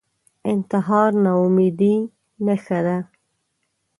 انتحار ناامیدۍ نښه ده